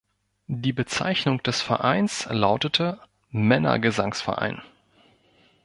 Die Bezeichnung des Vereins lautete: „Männer-Gesangsverein“.